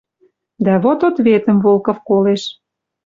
Дӓ вот ответӹм Волков колеш: